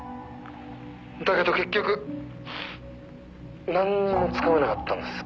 「だけど結局なんにもつかめなかったんです」